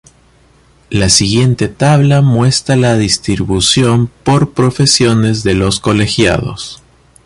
La siguiente tabla muestra la distribución por profesiones de los colegiados.